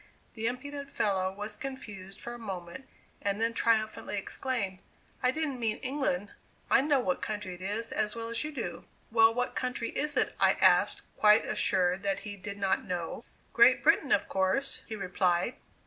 The impudent fellow was confused for a moment, and then triumphantly exclaimed: "I didn't mean England. I know what country it is as well as you do." "Well, what country is it?" I asked, quite assured that he did not know. "Great Britain, of course," he replied.